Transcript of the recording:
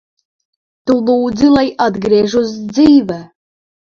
Tu lūdzi, lai atgriežos dzīvē.